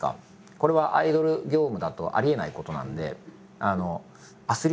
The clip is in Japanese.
これはアイドル業務だとありえないことなんで。